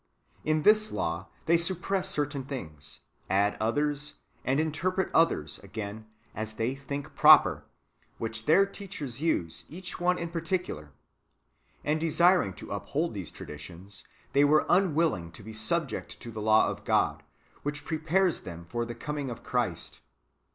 In this [law] they suppress certain things, add others, and interpret others, again, as they think proper, which their teachers use, each one in parti cular; and desiring to uphold these traditions, they were un willing to be subject to the law of God, which prepares them for the coming of Christ.